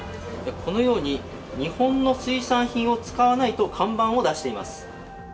このように日本の水産品を使わないと看板を出しています。